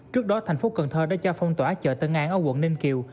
trước đó thành phố cần thơ đã cho phong tỏa chợ tân an ở quận ninh kiều